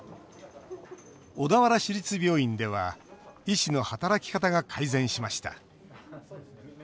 小田原市立病院では医師の働き方が改善しました